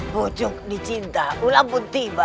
pucuk dicinta ulam pun tiba